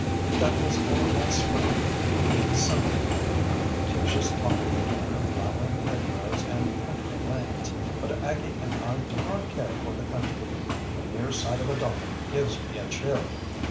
That was all last spring. It is summer now. Tish is talking again of flowering hedgerows and country lanes, but Aggie and I do not care for the country, and the mere sight of a donkey gives me a chill.